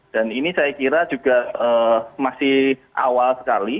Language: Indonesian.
dan ini saya kira juga masih awal sekali